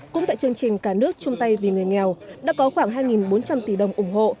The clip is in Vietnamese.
cũng tại chương trình cả nước chung tay vì người nghèo đã có khoảng hai bốn trăm linh tỷ đồng ủng hộ